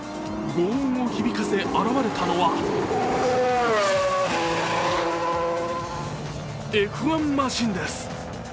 轟音を響かせ、現れたのはＦ１マシンです。